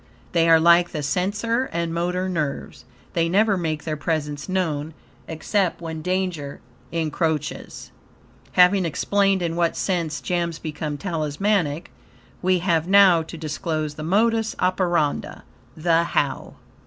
They are like the sensor and motor nerves they never make their presence known, except, when danger encroaches. Having explained in what sense gems become talismanic, we have now to disclose the modus operandi THE HOW.